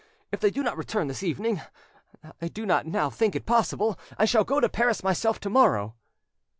If they do not return this evening, and I do not now think it possible, I shall go to Paris myself to morrow."